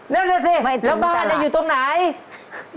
เดี๋ยวสิแล้วบ้านอยู่ตรงไหนไม่ถึงตลอด